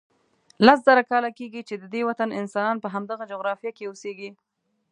لس زره کاله کېږي چې ددې وطن انسانان په همدغه جغرافیه کې اوسیږي.